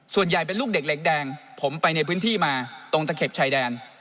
ส่วนใหญ่เป็นลูกเด็กเหล็กแดงผมไปในพื้นที่มาตรงตะเข็บชายแดน